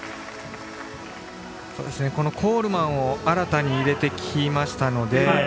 コールマンを新たに入れてきましたので。